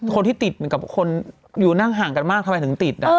คนที่ติดเหมือนกับคนอยู่นั่งห่างกันมากทำไมถึงติด